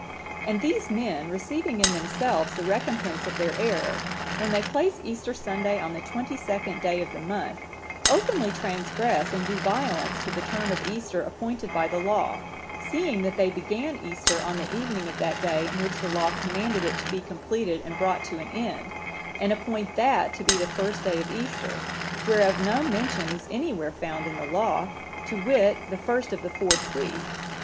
"And these men, receiving in themselves the recompense of their error, when they place Easter Sunday on the twenty second day of the month, openly transgress and do violence to the term of Easter appointed by the Law, seeing that they begin Easter on the evening of that day in which the Law commanded it to be completed and brought to an end; and appoint that to be the first day of Easter, whereof no mention is any where found in the Law, to wit, the first of the fourth week.